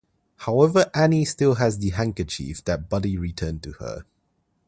However, Annie still has the handkerchief that Buddy returned to her.